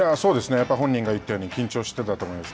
やっぱり本人が言ったように、緊張してたと思います。